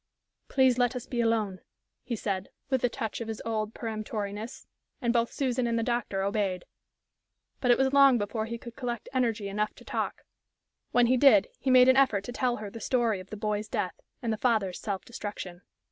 "Please let us be alone," he said, with a touch of his old peremptoriness, and both Susan and the doctor obeyed. But it was long before he could collect energy enough to talk. When he did, he made an effort to tell her the story of the boy's death, and the father's self destruction.